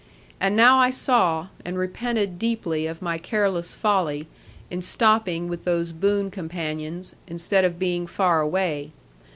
And now I saw, and repented deeply of my careless folly, in stopping with those boon companions, instead of being far away.